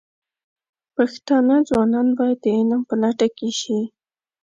پښتانه ځوانان باید د علم په لټه کې شي.